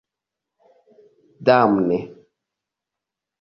Damne!